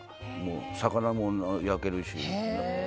魚も焼けるし。